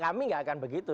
kami enggak akan begitu